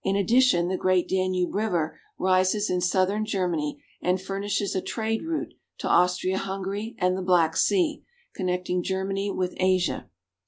addition the great Danube River rises in southern Ger many and furnishes a trade route to Austria Hungary and the Black Sea, connecting Germany with Asia.